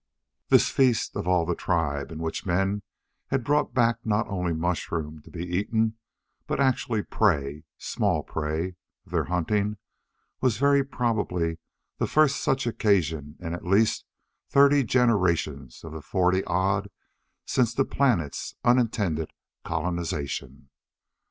This feast of all the tribe, in which men had brought back not only mushroom to be eaten, but actual prey small prey of their hunting, was very probably the first such occasion in at least thirty generations of the forty odd since the planet's unintended colonization.